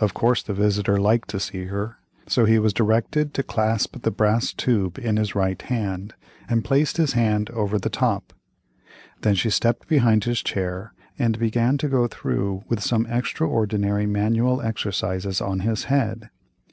Of course the visitor liked to see her; so he was directed to clasp the brass tube in his right hand, and place his hand over the top. Then she stepped behind his chair and began to go through with some extraordinary manual exercises on his head.